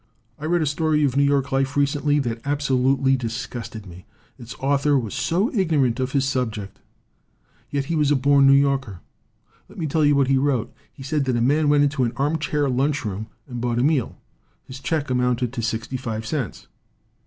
"I read a story of New York life recently that absolutely disgusted me, its author was so igno rant of his subject. Yet he was a born New Yorker. Let me tell you what he wrote. He said that a man went into an arm chair lunch room and bought a meal. His check amounted to sixty five cents!